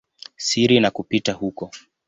siri na kupita huko.